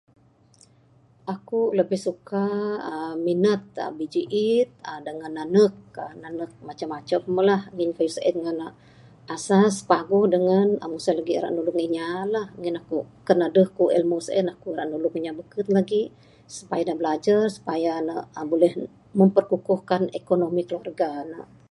Aku'k lebih suka, [uhh]..minat biji'et, uhh.. dengan nanuk. uhh nanuk macam macam lah, ngin kayuh sien ngan asas paguh dengan mung sien lagi ira nulung inyalah. Ngin aku'k kan aduh aku'k ilmu sien, aku ra nulung inya beken lagi, supaya ne belajar, supaya ne uhh buleh memperkukuhkan ekonomi keluarga ne.